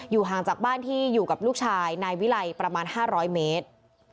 ห่างจากบ้านที่อยู่กับลูกชายนายวิไลประมาณ๕๐๐เมตร